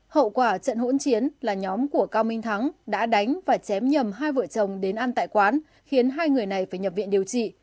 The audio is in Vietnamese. hậu quả trận hỗn chiến là nhóm của cao minh thắng đã đánh và chém nhầm hai vợ chồng đến ăn tại quán khiến hai người này phải nhập viện điều trị